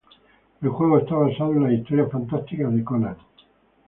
El juego está basado en las historias fantásticas de Conan.